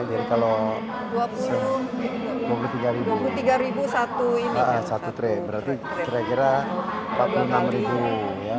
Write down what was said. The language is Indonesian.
ya jadi kalau dua puluh tiga satu ini kan